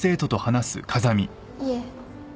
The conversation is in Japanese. いえ。